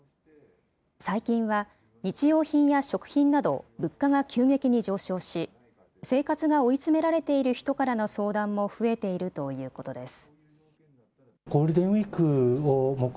最近は日用品や食品など、物価が急激に上昇し、生活が追い詰められている人からの相談も増えているということです。